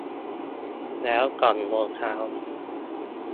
แล้วกล่องรองเท้า